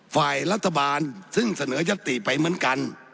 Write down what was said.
ฝ่ายรัฐบาลซึ่งเสนอยัตติไปเหมือนกัน